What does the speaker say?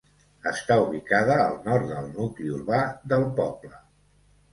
Està ubicada al nord del nucli urbà del poble.